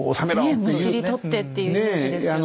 むしり取ってっていうイメージですよね。